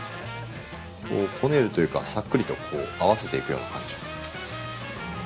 こねるというかさっくりと合わせていくような感じ。